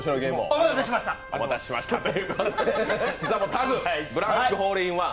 タグ、「ブラックホールホンワン」